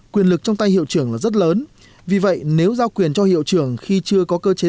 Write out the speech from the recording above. quyền lực trong tay hiệu trưởng là rất lớn vì vậy nếu giao quyền cho hiệu trưởng khi chưa có cơ chế